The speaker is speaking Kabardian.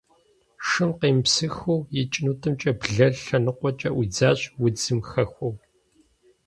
Шым къемыпсыхыу, и чынутӀымкӀэ блэр лъэныкъуэкӀэ Ӏуидзащ, удзым хэхуэу.